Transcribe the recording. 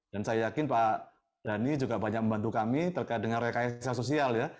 dan saya yakin pak dhani juga banyak membantu kami terkait dengan rekayasa sosial ya